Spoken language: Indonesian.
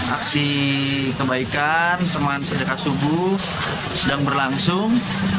aksi kebaikan teman sedekah subuh sedang berlangsung